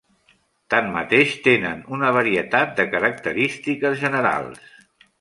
Tanmateix tenen una varietat de característiques generals.